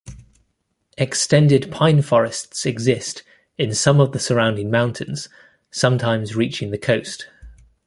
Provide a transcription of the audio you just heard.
Extended pine forests exist in some of the surrounding mountains, sometimes reaching the coast.